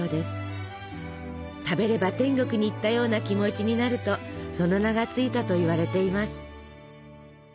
食べれば天国に行ったような気持ちになるとその名が付いたといわれています。